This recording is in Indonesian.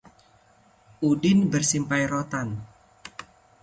Udin bersimpai rotan